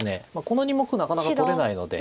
この２目なかなか取れないので。